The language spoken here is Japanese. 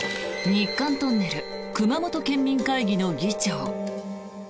日韓トンネル熊本県民会議の議長。